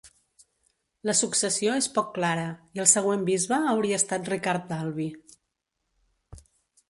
La successió és poc clara, i el següent bisbe hauria estat Ricard d'Albi.